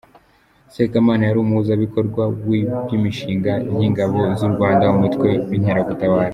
Sekamana yari Umuhuzabikorwa w’iby’imishinga y’Ingabo z’u Rwanda, Umutwe w’Inkeragutabara.